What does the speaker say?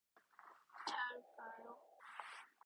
잘 가요.